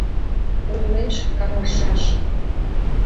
Пурлеш, каваршаш!